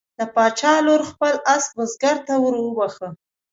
د باچا لور خپل آس بزګر ته وروبخښه.